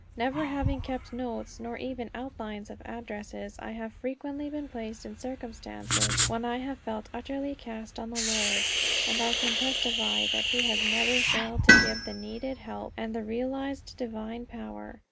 Never having kept notes, nor even outlines of addresses, I have frequently been placed in circumstances when I have felt utterly cast on the Lord. And I can testify that he never failed to give the needed help, and the realized divine power.